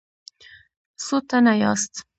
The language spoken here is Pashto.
څو تنه یاست؟